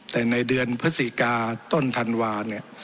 แต่ในเดือนพฤศกาต้นธันวา๓๕